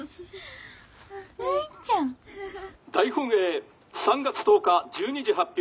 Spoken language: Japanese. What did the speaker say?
「大本営３月１０日１２時発表。